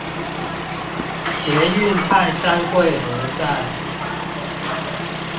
捷運泰山貴和站